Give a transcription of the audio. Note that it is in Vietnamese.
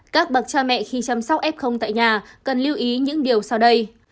các bậc cha mẹ khi chăm sóc f tại nhà cần lưu ý những điều sau đây